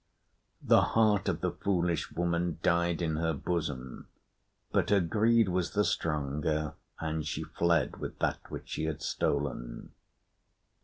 The heart of the foolish woman died in her bosom; but her greed was the stronger, and she fled with that which she had stolen.